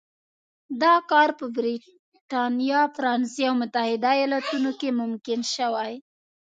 دا کار په برېټانیا، فرانسې او متحده ایالتونو کې ممکن شوی.